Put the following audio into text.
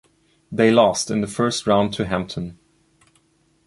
They lost in the first round to Hampton.